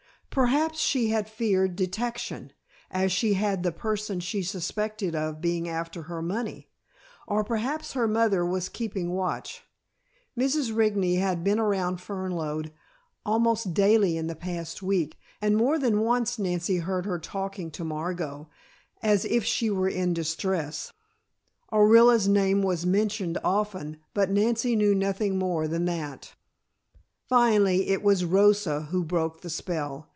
Perhaps she had feared detection, as she had the person she suspected of being after her money. Or perhaps her mother was keeping watch. Mrs. Rigney had been around Fernlode almost daily in the past week, and more than once Nancy heard her talking to Margot, as if she were in distress. Orilla's name was mentioned often, but Nancy knew nothing more than that. Finally, it was Rosa who broke the spell.